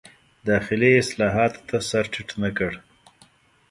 داخلي اصلاحاتو ته سر ټیټ نه کړ.